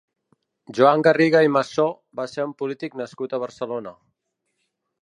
Joan Garriga i Massó va ser un polític nascut a Barcelona.